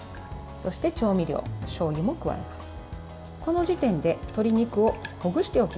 そして、調味料しょうゆも加えます。